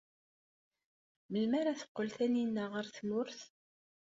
Melmi ara teqqel Taninna ɣer tmurt?